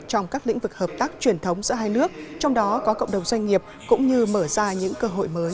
trong các lĩnh vực hợp tác truyền thống giữa hai nước trong đó có cộng đồng doanh nghiệp cũng như mở ra những cơ hội mới